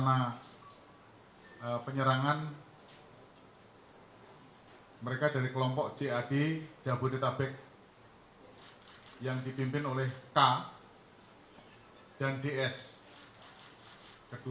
karena ini berutut setelah terjadi timako itu berutut di penangkapan di sana di sini di situ